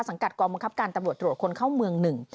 กัดกองบังคับการตำรวจตรวจคนเข้าเมืองหนึ่ง